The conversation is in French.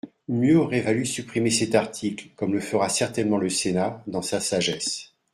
Mieux aurait valu supprimer cet article, comme le fera certainement le Sénat, dans sa sagesse.